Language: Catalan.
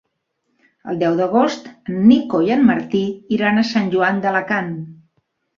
El deu d'agost en Nico i en Martí iran a Sant Joan d'Alacant.